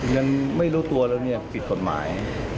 ยังไม่รู้ตัวแล้วเนี่ยผิดกฎหมาย